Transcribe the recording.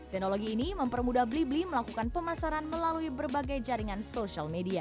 teknologi ini mempermudah bli bli melakukan pemasaran melalui berbagai jaringan social media